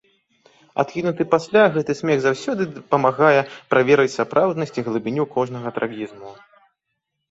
Адкінуты пасля, гэты смех заўсёды памагае праверыць сапраўднасць і глыбіню кожнага трагізму.